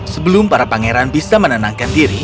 sebelum para pangeran bisa menenangkan diri